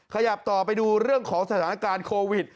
ขยับต่อไปดูเรื่องของสถานการณ์โควิด